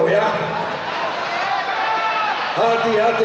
suara rakyat adalah suara tuhan